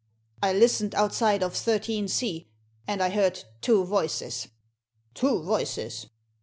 "I listened outside of 13 C, and I heard two voices." " Two voices